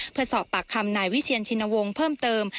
เพื่อสอบปากคำนายวิเชียนชินวงศ์เพิ่มเติม